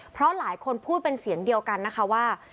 เพราะหลายคนพูดเป็นเสียงเดียวกันนะคะว่า